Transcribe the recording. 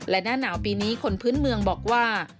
และหน้าหนาวปีนี้คนพื้นเมืองบอกว่า